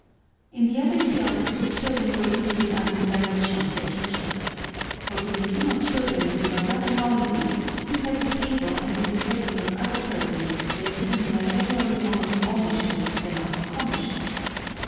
In the other kiosk the children were eating under the direction of their teacher. For Filipino children they were rather noisy, since at the table and in the presence of other persons their sins are generally more of omission than of commission.